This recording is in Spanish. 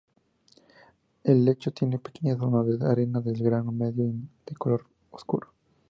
El lecho tiene pequeñas zonas de arenas de grano medio y de color oscuro.